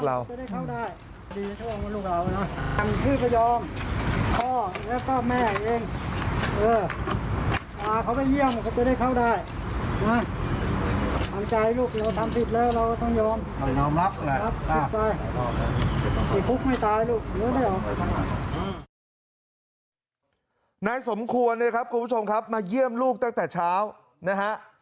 นายสมควรเนี่ยครับคุณผู้ชมครับมาเยี่ยมลูกตั้งแต่เช้านะฮะ